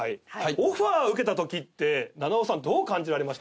オファー受けたときって菜々緒さんどう感じられました？